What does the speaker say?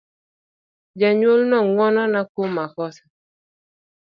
Jonyuol no ngwonona kuom makosana.